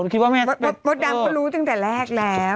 บทดำก็รู้ตั้งแต่แรกแล้ว